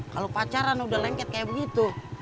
kalau pacaran udah lengket kayak begitu